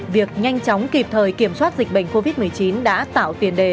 việc nhanh chóng kịp thời kiểm soát dịch bệnh covid một mươi chín đã tạo tiền đề